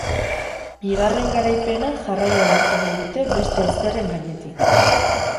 Bigarren garaipena jarraian lortu nahi dute beste ezerren gainetik.